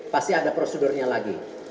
pasti ada prosedurnya lagi